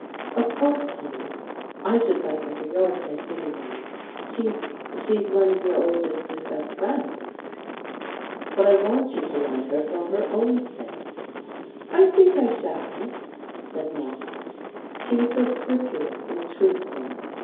"Of course, Hugh. I should like her for your sake, anyway. She's she's one of your oldest and best friends." "But I want you to like her for her own sake." "I think I shall," said Maude. She was so scrupulously truthful!